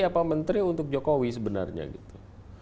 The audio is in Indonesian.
apa menteri untuk jokowi sebenarnya gitu